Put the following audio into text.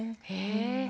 へえ！